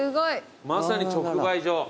まさに直売所。